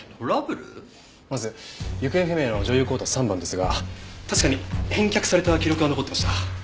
まず行方不明の女優コート３番ですが確かに返却された記録は残っていました。